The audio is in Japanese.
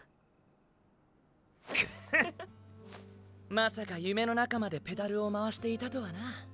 まさか夢の中までペダルを回していたとはな。